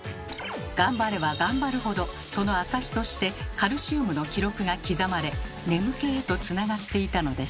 頑張れば頑張るほどその証しとしてカルシウムの記録が刻まれ眠気へとつながっていたのです。